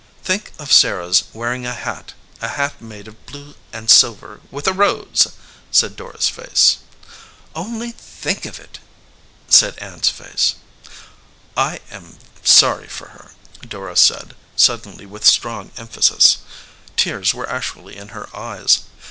"Think of Sarah s wearing a hat, a hat made of blue and silver, with a rose!" said Dora s face. "Only think of it !" said Ann s face. "I am sorry for her," Dora said, suddenly, with strong emphasis. Tears were actually in her eyes.